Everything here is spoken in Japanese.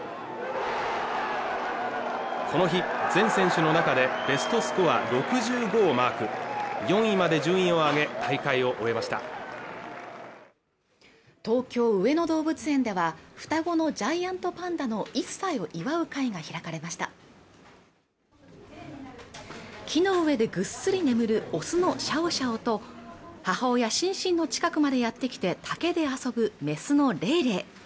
この日全選手の中でベストスコア６５をマーク４位まで順位を上げ大会を終えました東京・上野動物園では双子のジャイアントパンダの１歳を祝う会が開かれました木の上でぐっすり眠るオスのシャオシャオと母親シンシンの近くまでやって来て竹で遊ぶメスのレイレイ